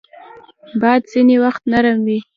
باد ځینې وخت نرم وي